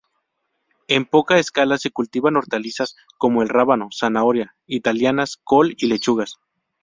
En poca escala se cultivan hortalizas como el rábano, zanahoria, italianas, col y lechugas.